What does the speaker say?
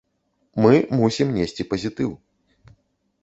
Мы мусім несці пазітыў.